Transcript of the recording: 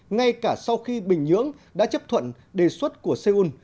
ngay cả sau khi bình nhưỡng đã chấp thuận đề xuất của seoul